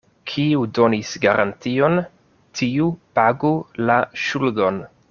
Kiu donis garantion, tiu pagu la ŝuldon.